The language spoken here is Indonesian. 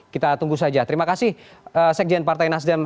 kita tunggu saja terima kasih sekjen partai nasdem